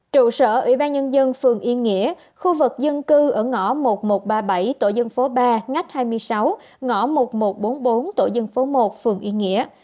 trụ sở ủy ban nhân dân phường yên nghĩa khu vực dân cư ở ngõ một nghìn một trăm ba mươi bảy tổ dân phố ba ngách hai mươi sáu ngõ một nghìn một trăm bốn mươi bốn tổ dân phố một phường yên nghĩa